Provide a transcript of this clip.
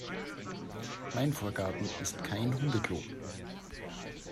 Mein Vorgarten ist kein Hundeklo!